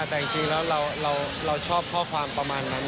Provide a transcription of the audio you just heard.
แต่จริงแล้วเราชอบข้อความประมาณนั้น